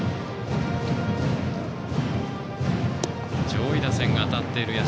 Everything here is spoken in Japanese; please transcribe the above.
上位打線が当たっている社。